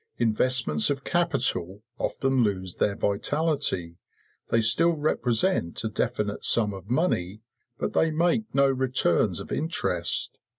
Investments of capital often lose their vitality; they still represent a definite sum of money, but they make no returns of interest.